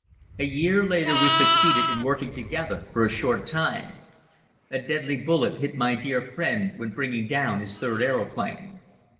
A year later we succeeded in working together for a short time. A deadly bullet hit my dear friend when bringing down his third aeroplane.